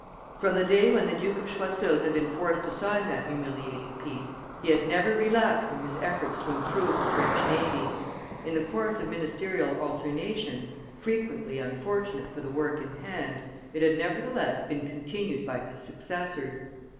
From the day when the Duke of Choiseul had been forced to sign that humiliating peace, he had never relaxed in his efforts to improve the French navy. In the course of ministerial alternations, frequently unfortunate for the work in hand, it had nevertheless been continued by his successors.